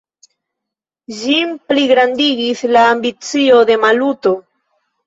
Ĝin pligrandigis la ambicio de Maluto.